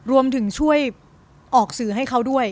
รวมถึงช่วยออกสื่อให้เขาด้วย